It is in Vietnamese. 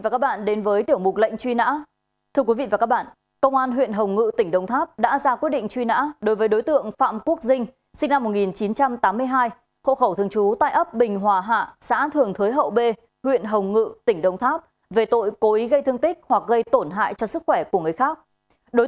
cảm ơn quý vị và các bạn đã quan tâm theo dõi